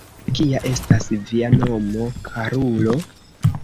Kia estas via nomo, karulo?